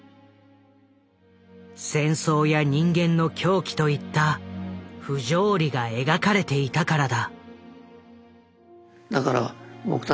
戦争や人間の狂気といった不条理が描かれていたからだ。